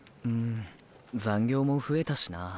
うん残業も増えたしな。